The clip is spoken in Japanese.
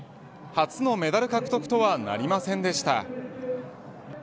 初のメダル獲得とはなりませんでした。